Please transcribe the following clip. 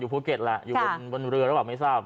ภูเก็ตแหละอยู่บนเรือหรือเปล่าไม่ทราบ